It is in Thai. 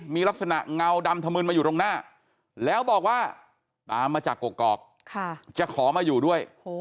มีลักษณะเงาดำถมืนมาอยู่ตรงหน้าแล้วบอกว่าตามมาจากกกอกจะขอมาอยู่ด้วย